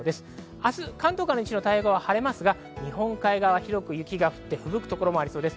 明日、関東から西の太平洋側は晴れますが日本海側は広く雪が降って、ふぶくところもありそうです。